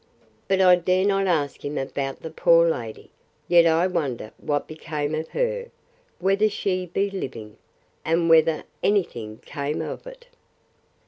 But I dare not ask him about the poor lady.—Yet I wonder what became of her! Whether she be living? And whether any thing came of it?